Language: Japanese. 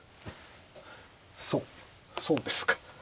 そうそうですか。